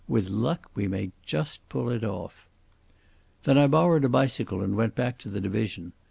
"With luck we may just pull it off." Then I borrowed a bicycle and went back to the division.